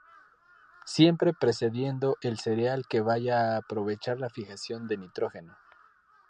Siempre precediendo al cereal que vaya a aprovechar la fijación de nitrógeno.